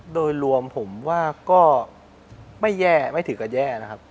โดยรวมผมว่าก็ไม่แย่ไม่ถือกับแย่นะครับ